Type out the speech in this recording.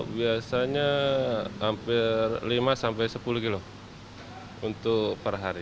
biasanya hampir lima sampai sepuluh kilo untuk per hari